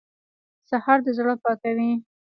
سهار د زړه پاکوي.